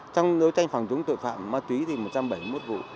trong đấu tranh phòng chống tội phạm ma túy thì một trăm bảy mươi một vụ